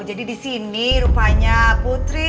jadi disini rupanya putri